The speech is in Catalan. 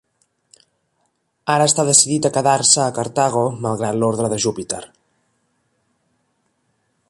Ara està decidit a quedar-se a Cartago malgrat l'ordre de Júpiter.